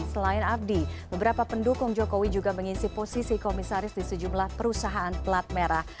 selain abdi beberapa pendukung jokowi juga mengisi posisi komisaris di sejumlah perusahaan pelat merah